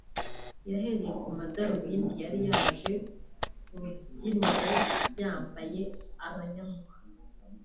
yahereye ku madarubindi yari yaje ku rubyiniro yambaye arayamuha